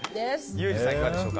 ユージさんはいかがでしょう？